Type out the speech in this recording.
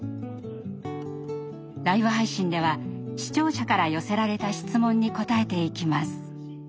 ライブ配信では視聴者から寄せられた質問に答えていきます。